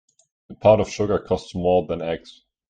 A pound of sugar costs more than eggs.